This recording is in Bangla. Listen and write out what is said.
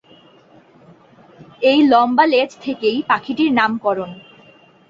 এই লম্বা লেজ থেকেই পাখিটির নামকরণ।